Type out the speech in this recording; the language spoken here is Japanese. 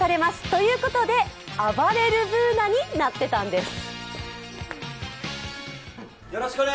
ということで、あばれるＢｏｏｎａになってたんです。